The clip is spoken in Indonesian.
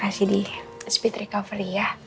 kasih di speed recovery ya